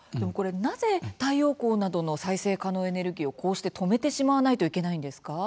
なぜ太陽光などの再生可能エネルギーをこうして止めてしまわないといけないんですか？